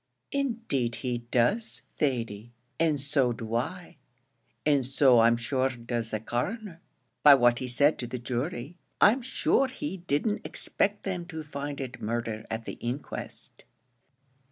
"Indeed he does, Thady, and so do I; and so I'm sure does the Coroner, by what he said to the jury. I'm sure he didn't expect them to find it murder at the inquest."